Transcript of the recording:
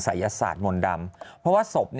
ยศาสตร์มนต์ดำเพราะว่าศพ